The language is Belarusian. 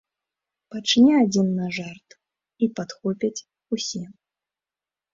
Пачне адзін на жарт, і падхопяць усе.